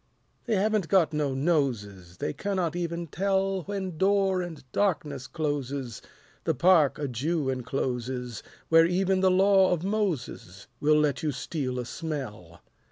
They haven't got no noses, They cannot even tell When door and darkness closes The park a Jew encloses, Where even the Law of Moses Will let you steal a smell.